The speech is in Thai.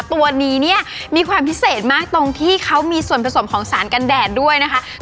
ตัวนี้เนี่ยมีความพิเศษมากตรงที่เขามีส่วนผสมของสารกันแดดด้วยนะคะ